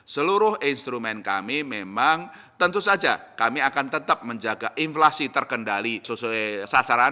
seluruh instrumen kami memang tentu saja kami akan tetap menjaga inflasi terkendali sesuai sasaran